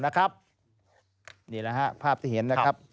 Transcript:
นี่แหละภาพที่เห็น